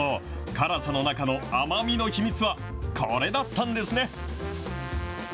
辛さの中の甘みの秘密は、これだったんですね。